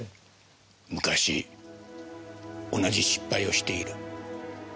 昔同じ失敗をしている。